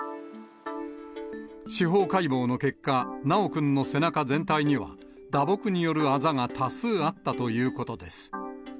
司法解剖の結果、修くんの背中全体には、打撲によるあざが多数あったということです。